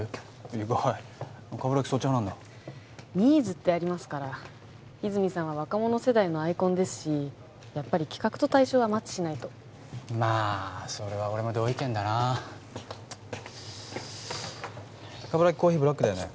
意外鏑木そっち派なんだニーズってありますから和泉さんは若者世代のアイコンですしやっぱり企画と対象はマッチしないとまあそれは俺も同意見だな鏑木コーヒーブラックだよね？